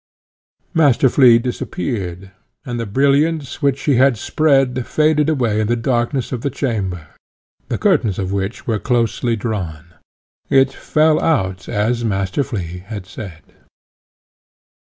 Master Flea disappeared, and the brilliance, which he had spread, faded away in the darkness of the chamber, the curtains of which were closely drawn. It fell out as Master Flea had said.